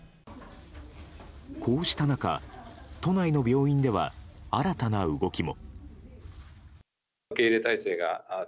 こうした中、都内の病院では新たな動きも。